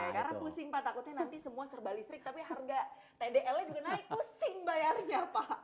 karena pusing pak takutnya nanti semua serba listrik tapi harga tdl nya juga naik pusing bayarnya pak